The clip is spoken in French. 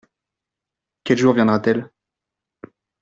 Quel jour viendra-t-elle ?